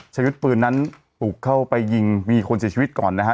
ชีวิตปืนนั้นปลุกเข้าไปยิงมีคนเสียชีวิตก่อนนะฮะ